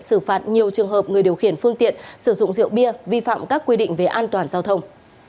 xử phạt nhiều trường hợp người điều khiển phương tiện sử dụng rượu bia vi phạm các quy định về an toàn giao thông